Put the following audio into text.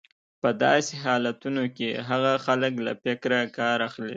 په داسې حالتونو کې هغه خلک له فکره کار اخلي.